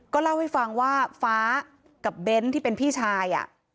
เล่าให้ฟังว่าฟ้ากับเบ้นที่เป็นพี่ชาย